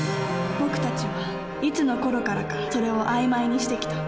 僕たちはいつのころからか「それ」を曖昧にしてきた。